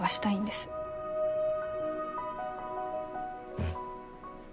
うん。